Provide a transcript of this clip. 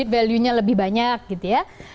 value nya lebih banyak gitu ya